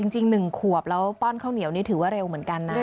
๑ขวบแล้วป้อนข้าวเหนียวนี่ถือว่าเร็วเหมือนกันนะ